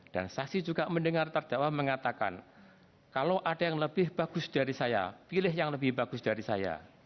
dan saksi juga mendengar terdakwa mengatakan kalau ada yang lebih bagus dari saya pilih yang lebih bagus dari saya